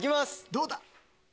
どうだ？